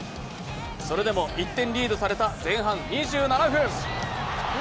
それでも１点リードされた前半２７分。